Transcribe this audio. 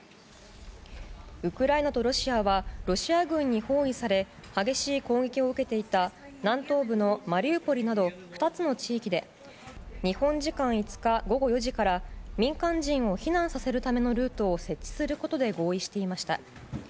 ウクライナとロシアはロシア軍に包囲され激しい攻撃を受けていた南東部のマリウポリなど２つの地域で日本時間５日、午後４時から民間人を避難させるためのルートを設置することで合意していました。